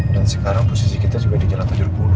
dan sekarang posisi kita juga di jalan tanjur bulung